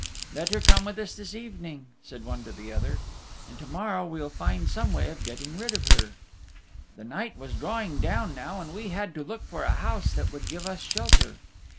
"Let her come with us this evening," said one to the other, "and to morrow we'll find some way of getting rid of her." The night was drawing down now, and we had to look for a house that would give us shelter.